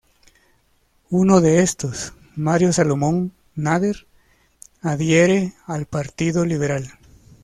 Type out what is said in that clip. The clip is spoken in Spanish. Uno de estos, Mario Salomón Nader, adhiere al Partido Liberal.